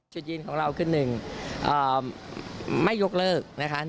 จุดยืนของเราคือหนึ่งไม่ยกเลิก